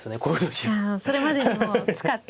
それまでにもう使って。